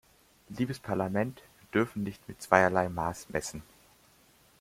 Liebes Parlament, wir dürfen nicht mit zweierlei Maß messen.